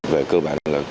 về cơ bản là